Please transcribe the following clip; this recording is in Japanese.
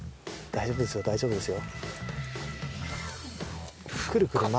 大丈夫です大丈夫です。